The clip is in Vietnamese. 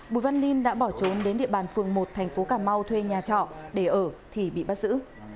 bùi văn linh đã bỏ trốn đến địa bàn phường một thành phố cà mau thuê nhà trọ để ở thì bị bắt giữ